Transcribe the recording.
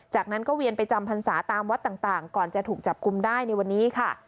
จากนั้นก็เวียนไปจำพรรษาตามวัดต่างก่อนจะถูกจับกลุ่มได้ในวันนี้ค่ะ